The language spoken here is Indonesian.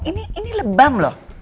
ini lebam loh